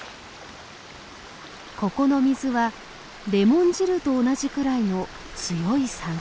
ここの水はレモン汁と同じぐらいの強い酸性。